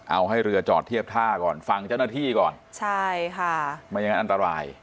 เอาให้เรือจอดเทียบท่าก่อนฟังเจ้าหน้าที่ก่อนใช่ค่ะไม่อย่างนั้นอันตราย